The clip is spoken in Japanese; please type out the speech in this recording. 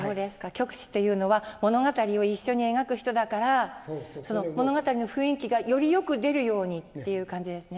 曲師っていうのは物語を一緒に描く人だからその物語の雰囲気がよりよく出るようにっていう感じですね。